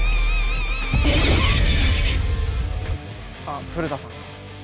あっ古田さん